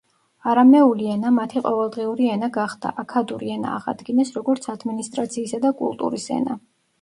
არამეული ენა მათი ყოველდღიური ენა გახდა, აქადური ენა აღადგინეს, როგორც ადმინისტრაციისა და კულტურის ენა.